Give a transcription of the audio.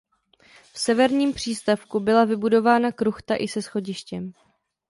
V severním přístavku byla vybudována kruchta i se schodištěm.